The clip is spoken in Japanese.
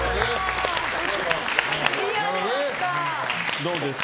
どうですか？